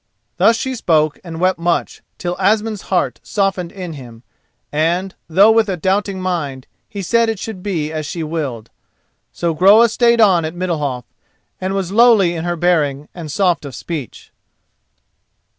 Thus she spoke and wept much, till Asmund's heart softened in him, and, though with a doubting mind, he said it should be as she willed. So Groa stayed on at Middalhof, and was lowly in her bearing and soft of speech.